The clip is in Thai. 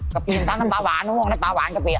กะปิมันต้านทำตาหวานมองตาหวานกะปิอ่ะ